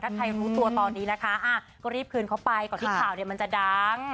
ถ้าใครรู้ตัวตอนนี้นะคะก็รีบคืนเขาไปก่อนที่ข่าวมันจะดัง